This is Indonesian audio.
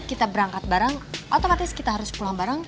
kita berangkat bareng otomatis kita harus pulang barang